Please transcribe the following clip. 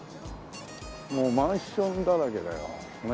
もうマンションだらけだよねっ。